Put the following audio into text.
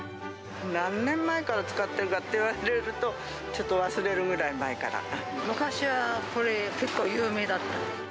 何年前から使ってるかっていわれると、ちょっと忘れるぐらい昔はこれ、結構有名だった。